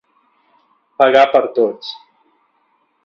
Pagar per tots.